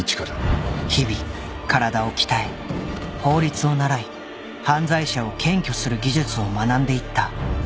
［日々体を鍛え法律を習い犯罪者を検挙する技術を学んでいった］